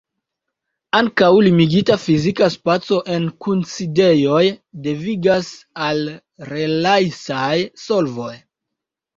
Ankaŭ limigita fizika spaco en kunsidejoj devigas al relajsaj solvoj.